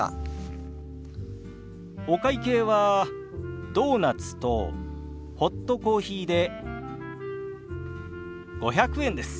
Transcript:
お会計はドーナツとホットコーヒーで５００円です。